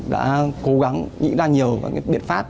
đã cố gắng nghĩ ra nhiều biện pháp